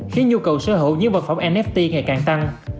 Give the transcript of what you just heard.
khiến nhu cầu sở hữu những vật phẩm nft ngày càng tăng